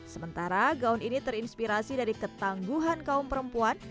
sementara gaun ini terinspirasi dari ketangguhan kaum perempuan